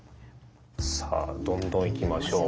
さあどんどんいきましょう。